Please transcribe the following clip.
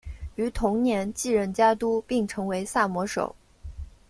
于同年继任家督并成为萨摩守。